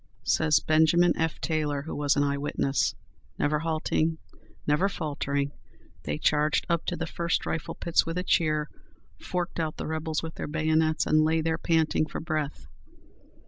Says Benjamin F. Taylor, who was an eye witness, "Never halting, never faltering, they charged up to the first rifle pits with a cheer, forked out the rebels with their bayonets, and lay there panting for breath.